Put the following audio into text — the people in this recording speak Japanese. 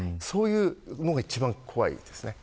そういうのが一番怖いです。